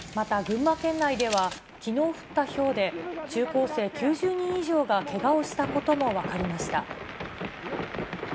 また群馬県内では、きのう降ったひょうで、中高生９０人以上がけがをしたことも分かりました。